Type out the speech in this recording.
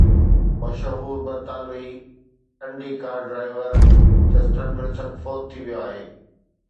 مشهور برطانوي Indy car driver Justin Wilson فوت ٿي ويو آهي